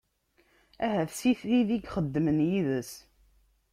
Ahat si tid i ixeddmen yid-s?